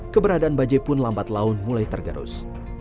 keberadaan bajai pun lambat laun mulai tergerus